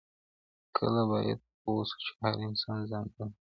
کله باید پوه سو چي هر انسان ځانګړی دی؟